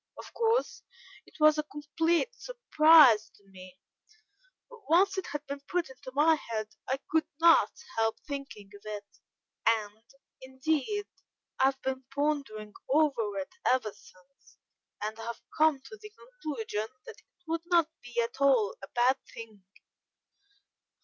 Of course, it was a complete surprise to me, but once it had been put into my head, I could not help thinking of it, and, indeed, I have been pondering over it ever since, and have come to the conclusion that it would not be at all a bad thing."